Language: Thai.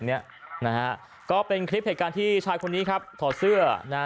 เนี้ยนะฮะก็เป็นคลิปเหตุการณ์ที่ชายคนนี้ครับถอดเสื้อนะฮะ